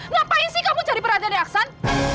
ngapain sih kamu cari perhatiannya aksan